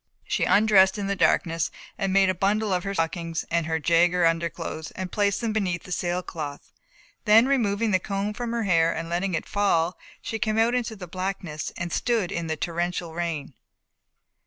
She undressed in the darkness, made a bundle of her stockings and her Jaeger underclothes and placed them beneath the sailcloth, then removing the comb from her hair and letting it fall she came out into the blackness and stood in the torrential rain.